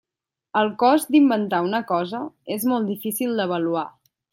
El cost d'inventar una cosa és molt difícil d'avaluar.